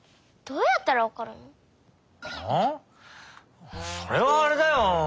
うん？それはあれだよ。